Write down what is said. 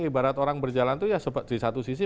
ibarat orang berjalan itu ya di satu sisi